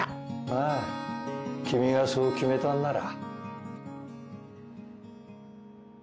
まあ君がそう決めたんなら。